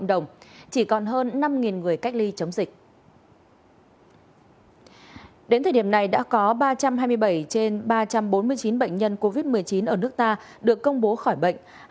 đến thời điểm này đã có ba trăm hai mươi bảy trên ba trăm bốn mươi chín bệnh nhân covid một mươi chín ở nước ta được công bố khỏi bệnh